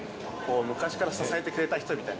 昔から支えてくれた人みたいな。